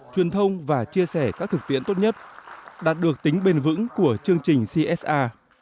truyền thông và chia sẻ các thực tiễn tốt nhất đạt được tính bền vững của chương trình csa